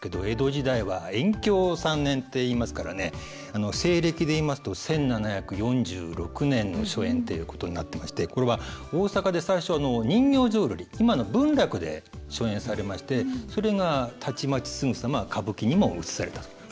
江戸時代は延享３年っていいますからね西暦で言いますと１７４６年の初演ということになってましてこれは大坂で最初人形浄瑠璃今の文楽で初演されましてそれがたちまちすぐさま歌舞伎にもうつされたと。